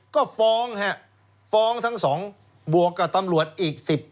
ก็ฟ้องฮะฟ้องทั้งสองบวกกับตำรวจอีก๑๐